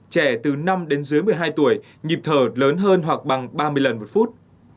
trẻ từ năm đến dưới một mươi hai tuổi nhịp thở lớn hơn hoặc bằng ba mươi lần một phút